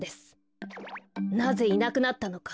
なぜいなくなったのか。